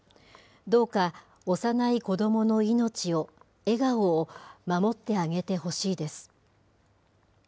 どうか、幼い子どもの命を、笑顔を、守ってあげてほしいです。